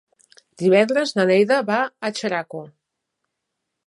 Divendres na Neida va a Xeraco.